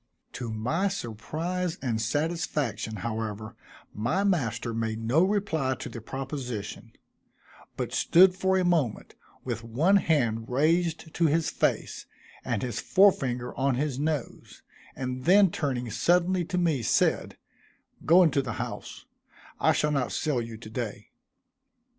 To my surprise and satisfaction, however, my master made no reply to the proposition; but stood for a moment, with one hand raised to his face and his fore finger on his nose, and then turning suddenly to me, said, "Go into the house; I shall not sell you to day."